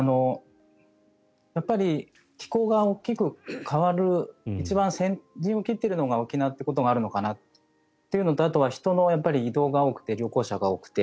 気候が大きく変わる一番先陣を受けているのが沖縄ということがあるのかなというのとあとは人の移動が多くて旅行者が多くて。